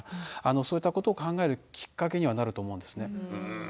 そういったことを考えるきっかけにはなると思うんですね。